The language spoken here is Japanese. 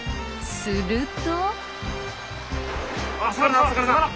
すると。